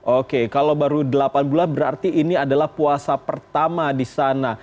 oke kalau baru delapan bulan berarti ini adalah puasa pertama di sana